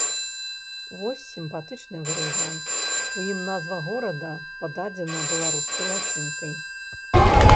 Вось сімпатычны варыянт, у ім назва горада пададзена беларускай лацінкай.